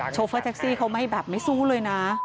โชเฟอร์แจ็คซี่เขาไม่สู้เลยนะ